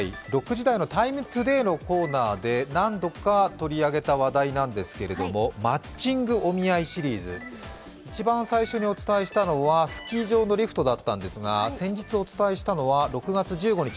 ６時台の「ＴＩＭＥ，ＴＯＤＡＹ」のコーナーで何度か取り上げた話題なんですけれども、マッチングお見合いシリーズ。いちばん最初にお伝えしたのはスキー場のリフトだったんですが先日お伝えしたのは６月１５日